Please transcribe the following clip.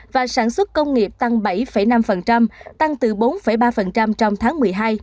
và sản xuất công nghiệp tăng bảy năm tăng từ bốn ba trong tháng một mươi hai